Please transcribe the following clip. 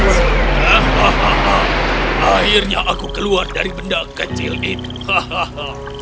hahaha akhirnya aku keluar dari benda kecil itu